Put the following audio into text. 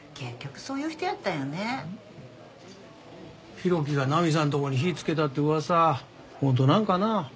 浩喜がナミさんとこに火つけたって噂本当なんかな？